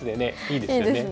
いいですね。